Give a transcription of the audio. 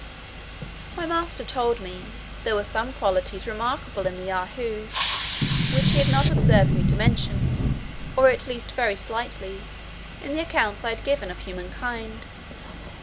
My master told me, "there were some qualities remarkable in the Yahoos, which he had not observed me to mention, or at least very slightly, in the accounts I had given of humankind."